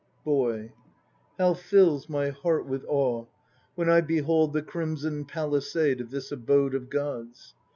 BOY. How fills my heart with awe When I behold the crimson palisade Of this abode of gods!